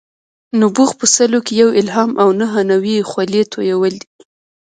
نبوغ په سلو کې یو الهام او نهه نوي یې خولې تویول دي.